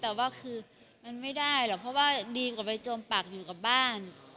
แต่ว่าคือมันไม่ได้หรอกเพราะว่าดีกว่าไปจมปากอยู่กับบ้าน